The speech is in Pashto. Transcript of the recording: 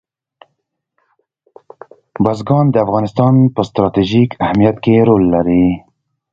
بزګان د افغانستان په ستراتیژیک اهمیت کې رول لري.